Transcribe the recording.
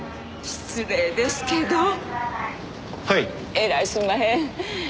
えらいすんまへん。